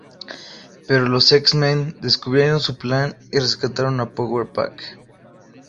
Pero los X-Men descubrieron su plan y rescataron a Power Pack.